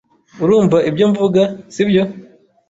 Urumva ibyo mvuga, sibyo?